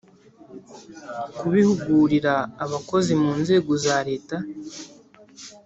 kubihugurira abakozi mu nzego za leta,